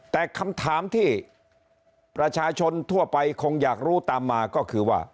แต่คำถามที่ประชาชนทั่วไปคงอยากรู้ตามมาก็คือว่า